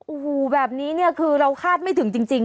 โอ้โหแบบนี้เนี่ยคือเราคาดไม่ถึงจริง